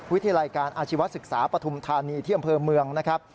วิทยาลัยการอาชีวศึกษาปฐุมธานีที่อำเภอเมืองนะครับ